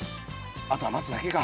あとは待つだけか。